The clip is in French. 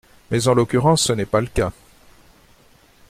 Mais, en l’occurrence, ce n’est pas le cas.